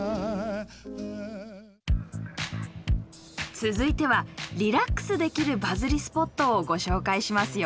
続いてはリラックスできるバズりスポットをご紹介しますよ。